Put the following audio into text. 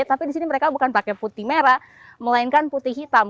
tapi di sini mereka bukan pakai putih merah melainkan putih hitam